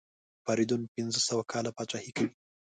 فریدون پنځه سوه کاله پاچهي کوي.